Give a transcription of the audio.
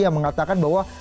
yang mengatakan bahwa